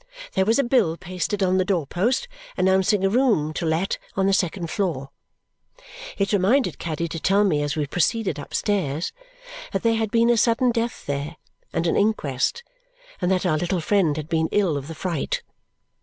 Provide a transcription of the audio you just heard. There was a bill, pasted on the door post, announcing a room to let on the second floor. It reminded Caddy to tell me as we proceeded upstairs that there had been a sudden death there and an inquest and that our little friend had been ill of the fright.